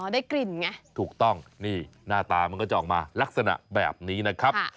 ได้กลิ่นไงถูกต้องนี่หน้าตามันก็จะออกมาลักษณะแบบนี้นะครับ